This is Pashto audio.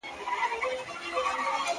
یوازي تقریظونه لیکل او شاباس ویل رواج لري -